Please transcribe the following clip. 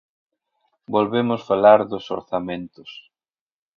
Volvemos falar dos orzamentos.